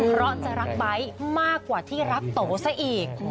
เพราะจะรักไบท์มากกว่าที่รักโตซะอีก